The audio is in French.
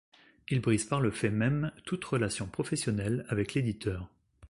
Il brise par le fait même toutes relations professionnelles avec l'éditeur.